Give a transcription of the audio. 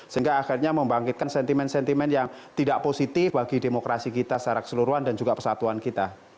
sehingga akhirnya membangkitkan sentimen sentimen yang tidak positif bagi demokrasi kita secara keseluruhan dan juga persatuan kita